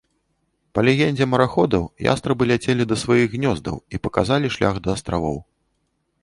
Па легендзе мараходаў, ястрабы ляцелі да сваіх гнёздаў і паказалі шлях да астравоў.